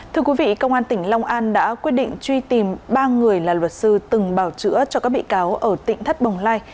thưa quý vị công an tỉnh long an đã quyết định truy tìm ba người là luật sư từng bảo chữa cho các bị cáo ở tỉnh thất bồng lai